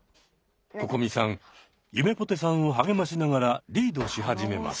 ここみさんゆめぽてさんを励ましながらリードし始めます。